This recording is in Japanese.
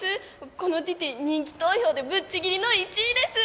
このティティ人気投票でぶっちぎりの１位です！